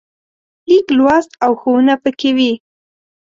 لیک لوست او ښوونه پکې وي.